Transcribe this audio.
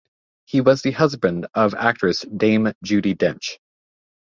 He was the husband of actress Dame Judi Dench.